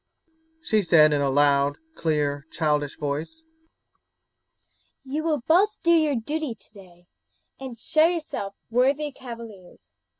"Sir Knights," she said in a loud, clear, childish voice, "you will both do your duty today and show yourselves worthy cavaliers.